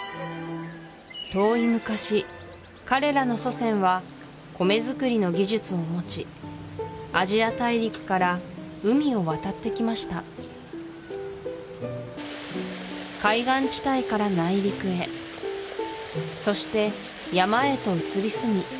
遠い昔彼らの祖先は米作りの技術を持ちアジア大陸から海を渡ってきました海岸地帯から内陸へそして山へと移り住み